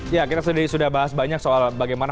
ya kita sudah bahas banyak soal bagaimana